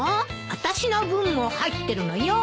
あたしの分も入ってるのよ。